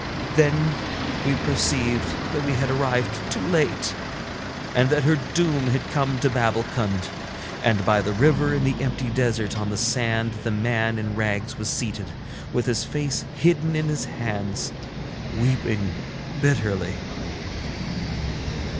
Then we perceived that we had arrived too late, and that her doom had come to Babbulkund; and by the river in the empty desert on the sand the man in rags was seated, with his face hidden in his hands, weeping bitterly.